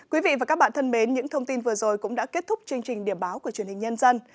quý vị và các bạn thân mến những thông tin vừa rồi cũng đã kết thúc chương trình điểm báo của truyền hình nhân dân